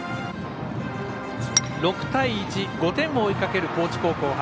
６対１、５点を追いかける高知高校。